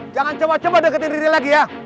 jangan coba coba deketin diri lagi ya